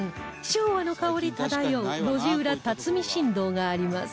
昭和の香り漂う路地裏辰巳新道があります